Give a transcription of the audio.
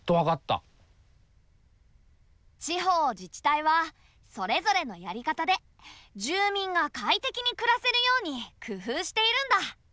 地方自治体はそれぞれのやり方で住民が快適に暮らせるように工夫しているんだ。